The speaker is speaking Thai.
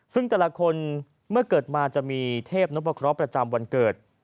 ซึ่งแต่ละคนเมื่อเกิดมาจะมีเทพนพเคราะห์ประจำวันเกิด